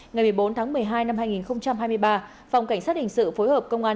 ngày một mươi bốn tháng một mươi hai năm hai nghìn hai mươi ba phòng cảnh sát hình sự phối hợp công an